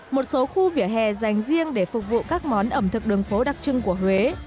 một số khu vỉa hè dành riêng để phục vụ các món ẩm thực đường phố đặc trưng của huế